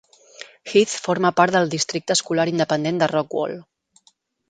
Heath forma part del districte escolar independent de Rockwall.